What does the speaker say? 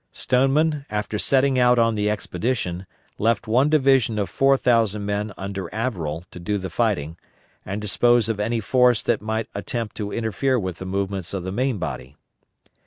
Stoneman, upon setting out on the expedition, left one division of 4,000 men under Averell to do the fighting, and dispose of any force that might attempt to interfere with the movements of the main body.